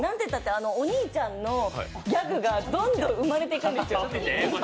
お兄ちゃんのギャグがどんどん生まれてくるんですよ。